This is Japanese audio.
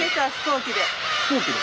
飛行機で？